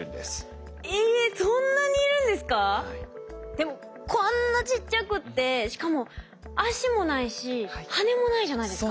でもこんなちっちゃくてしかも足もないし羽もないじゃないですか。